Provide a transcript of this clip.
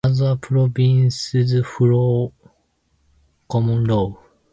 Other provinces follow common law.